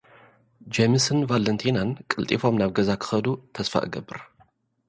ጄምስን ቫለንቲናን ቀልጢፎም ናብ ገዛ ኽኸዱ ተስፍ እገብር።